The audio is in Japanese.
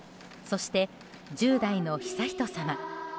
そして、１０代の悠仁さま。